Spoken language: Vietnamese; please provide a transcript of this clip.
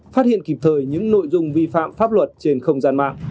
phát hiện kịp thời những nội dung vi phạm pháp luật trên không gian mạng